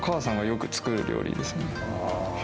お母さんがよく作る料理です